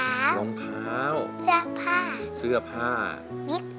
แล้วน้องใบบัวร้องได้หรือว่าร้องผิดครับ